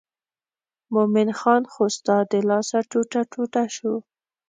مومن خان خو ستا د لاسه ټوټه ټوټه شو.